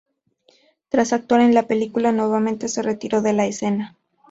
Tras actuar en la película, nuevamente se retiró de la escena.